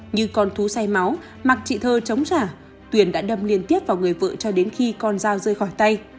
như con thú say máu mặc chị thơ chống trả tuyền đã đâm liên tiếp vào người vợ cho đến khi con dao rơi khỏi tay